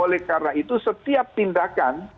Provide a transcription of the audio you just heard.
oleh karena itu setiap tindakan